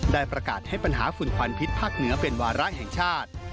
ได้ประกาศให้ปัญหาฝุ่นควันพิษภาคเหนือเป็นวาระแห่งชาติ